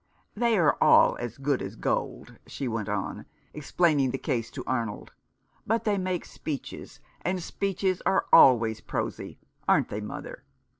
" They are all as good as gold," she went on, explaining the case to Arnold ;" but they make speeches, and speeches are always prosy — aren't they, mother